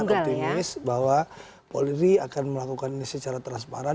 jadi saya sangat optimis bahwa polri akan melakukan ini secara transparan